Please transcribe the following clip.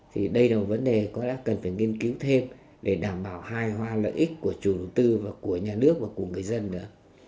thì đây là một vấn đề có lẽ cần phải nghiên cứu thêm để đảm bảo hai hoa lợi ích của chủ đầu tư và của nhà nước và của người dân nữa